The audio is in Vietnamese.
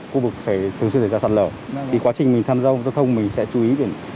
khu vực thường xuyên xảy ra sạt lở thì quá trình mình tham gia giao thông mình sẽ chú ý đến